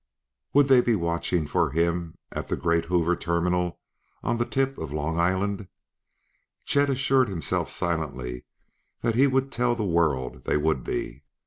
_"Would they be watching for him at the great Hoover Terminal on the tip of Long Island? Chet assured himself silently that he would tell the world they would be.